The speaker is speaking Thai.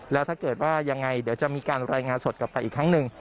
แล้วถ้าเกิดว่ายังไงเดี๋ยวจะมีการรายงานสดกลับไปอีกครั้งหนึ่ง